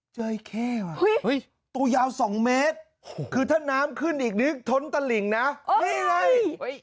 เจอไอ้เข้ว่ะตัวยาว๒เมตรคือถ้าน้ำขึ้นอีกนึกท้นตะหลิ่งนะนี่ไง